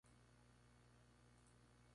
Nora White en la serie "Shut Eye".